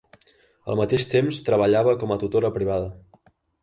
Al mateix temps treballava com a tutora privada.